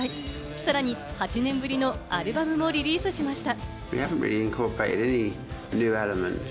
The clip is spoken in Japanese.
さらに８年ぶりのアルバムもリリースしました。